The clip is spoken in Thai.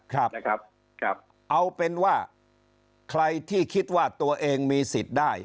ครับนะครับครับเอาเป็นว่าใครที่คิดว่าตัวเองมีสิทธิ์ได้